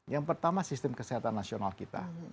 yang pertama sistem kesehatan nasional kita